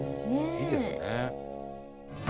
いいですね。